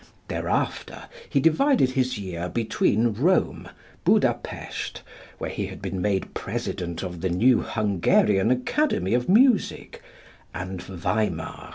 Thereafter he divided his year between Rome, Buda Pest, where he had been made President of the new Hungarian Academy of Music, and Weimar.